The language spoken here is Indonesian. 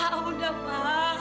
pak udah pak